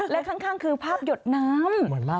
และข้างคือภาพหยดน้ำ